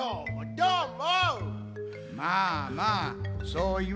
どーも。